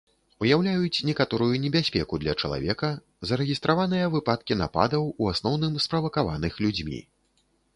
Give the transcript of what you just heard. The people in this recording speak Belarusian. Уяўляюць некаторую небяспеку для чалавека, зарэгістраваныя выпадкі нападаў, у асноўным справакаваных людзьмі.